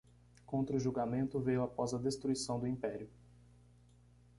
Contra-julgamento veio após a destruição do Império.